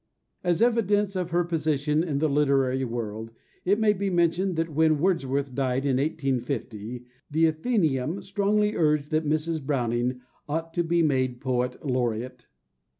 As evidence of her position in the literary world, it may be mentioned that when Wordsworth died in 1850 the Athenæum strongly urged that Mrs. Browning ought to be made Poet Laureate.